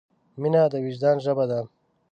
مینه د وجدان ژبه ده.